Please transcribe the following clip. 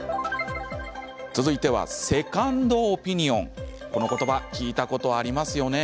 セカンドオピニオン、この言葉聞いたことありますよね。